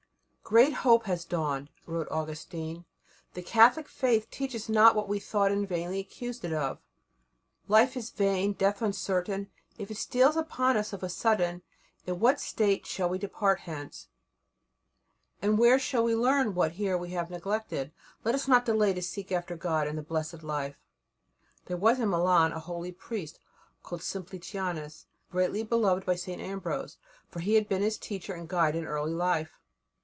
"Great hope has dawned," wrote Augustine; "the Catholic Faith teaches not what we thought and vainly accused it of. Life is vain, death uncertain; if it steals upon us of a sudden, in what state shall we depart hence? And where shall we learn what here we have neglected? Let us not delay to seek after God and the blessed life." There was in Milan a holy old priest called Simplicianus, greatly beloved by St. Ambrose, for he had been his teacher and guide in early life.